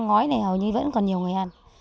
ăn ngói này hầu như vẫn còn nhiều người ăn